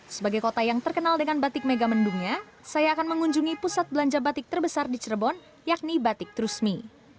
sebagai kota yang terkenal dengan batik megamendungnya saya akan mengunjungi pusat belanja batik terbesar di cirebon yakni batik trusmi